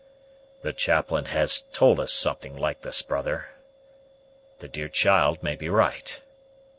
"The chaplain has told us something like this, brother. The dear child may be right."